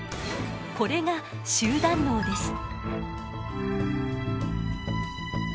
これが集団脳です。